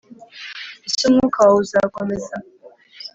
Ese umwuka wawe uzakomeza